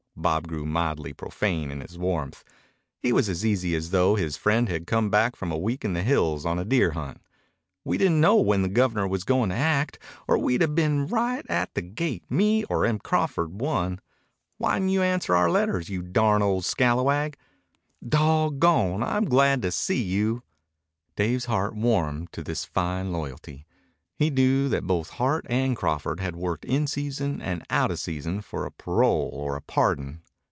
Bob grew mildly profane in his warmth. He was as easy as though his friend had come back from a week in the hills on a deer hunt. "We didn't know when the Governor was goin' to act. Or we'd 'a' been right at the gate, me or Em Crawford one. Whyn't you answer our letters, you darned old scalawag? Dawggone, but I'm glad to see you." Dave's heart warmed to this fine loyalty. He knew that both Hart and Crawford had worked in season and out of season for a parole or a pardon.